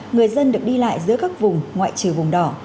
người dân được đi lại giữa các vùng ngoại trừ vùng đỏ